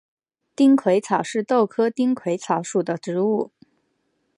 丁癸草是豆科丁癸草属的植物。